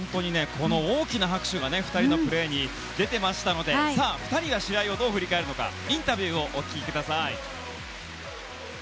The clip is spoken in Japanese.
大きな拍手が２人のプレーに出ていましたので２人が試合をどう振り返るのかインタビューをお聞きください。